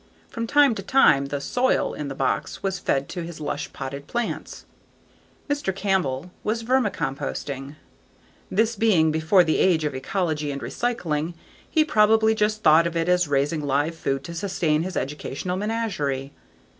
From time to time the "soil" in the box was fed to his lush potted plants. Mr. Campbell was vermicomposting. This being before the age of ecology and recycling, he probably just thought of it as raising live food to sustain his educational menagerie.